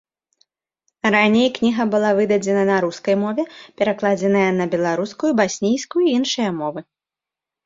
Раней кніга была выдадзена на рускай мове, перакладзеная на беларускую, баснійскую і іншыя мовы.